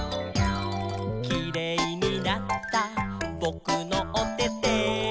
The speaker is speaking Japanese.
「キレイになったぼくのおてて」